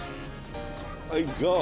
はいゴー！